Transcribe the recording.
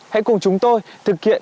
hãy cùng chúng tôi thực hiện